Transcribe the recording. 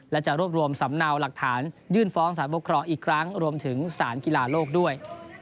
และจะรวบรวมสำเนาหลักฐานยื่นฟ้องสารปกครองอีกครั้งรวมถึงสารกีฬาโลกด้วย